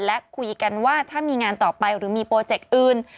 และคุยกันว่าถ้ามีงานต่อไปหรือมีโปรเจกต์อื่น